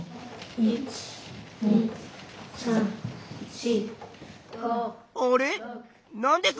１２３４。